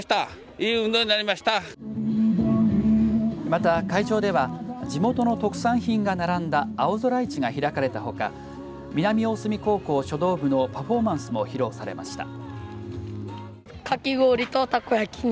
また、会場では地元の特産品が並んだ青空市が開かれたほか南大隅高校書道部のパフォーマンスも披露されました。